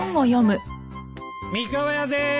三河屋です！